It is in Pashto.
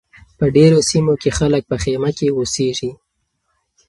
په ډېرو سیمو کې خلک په خیمه کې اوسیږي.